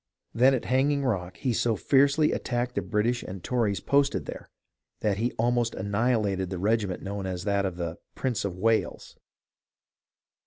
Then at Hanging Rock he so fiercely attacked the British and Tories posted there that he almost annihilated the regiment known as that of the " Prince of Wales."